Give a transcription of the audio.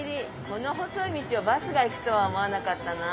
この細い道をバスが行くとは思わなかったな。